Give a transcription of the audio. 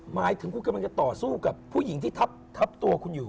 หมายถึงจะต่อสู้กับผู้หญิงที่ทับทับตัวคุณอยู่